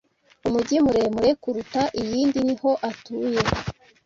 umugi muremure kuruta iyindi niho atuye